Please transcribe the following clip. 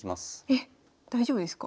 えっ大丈夫ですか？